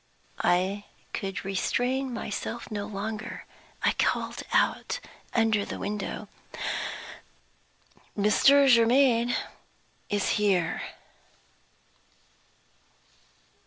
I could restrain myself no longer. I called out under the window: "Mr. Germaine is here!"